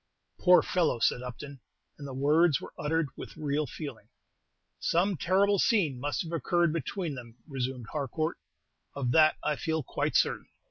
"Poor fellow!" said Upton; and the words were uttered with real feeling. "Some terrible scene must have occurred between them," resumed Harcourt; "of that I feel quite certain."